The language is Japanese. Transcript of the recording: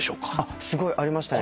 すごいありましたね。